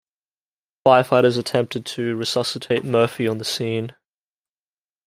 Firefighters attempted to resuscitate Murphy on the scene.